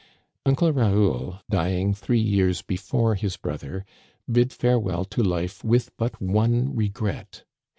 Uncle Raoul, dying three years before his brother, bid farewell to life with but one regret.